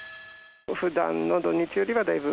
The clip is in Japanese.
ふだんの土日よりは、だいぶ